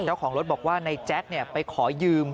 เจ้าของรถบอกว่าในแจ๊คไปขอยืม